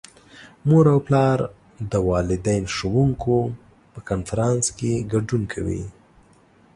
مور او پلار د والدین - ښوونکو په کنفرانس کې ګډون کوي.